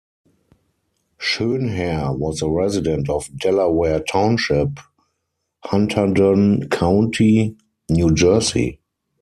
Schoenherr was a resident of Delaware Township, Hunterdon County, New Jersey.